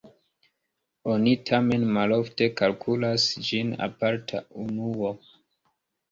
Oni tamen malofte kalkulas ĝin aparta unuo.